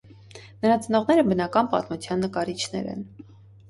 Նրա ծնողները բնական պատմության նկարիչներ են։